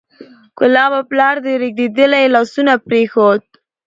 کلابه! پلار دې رېږدېدلي لاسونه پرېښود